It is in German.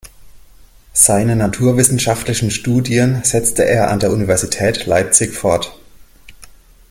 Seine naturwissenschaftlichen Studien setzte er an der Universität Leipzig fort.